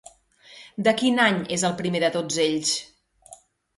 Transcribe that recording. De quin any és el primer de tots ells?